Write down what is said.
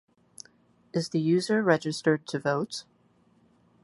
Is the user registered to vote?